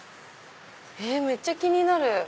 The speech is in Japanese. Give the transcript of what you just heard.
めっちゃ気になる！